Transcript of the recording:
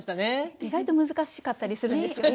意外と難しかったりするんですよね。